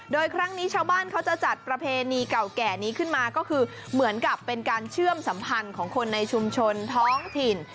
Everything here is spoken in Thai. โดยครั้งนี้ชาวบ้านเขาจะจัดประเพณีเก่าแก่นี้ขึ้นมาก็คือเหมือนกับเป็นการเชื่อมสัมพันธ์ของคนในชุมชนท้องถิ่น